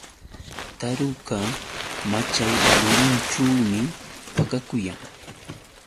Taruka machay rurinćhuumi pakakuyan.